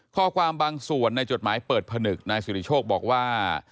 ข้อความบางส่วนในจดหมายเปิดผนึกนายสิริโชคบอกว่า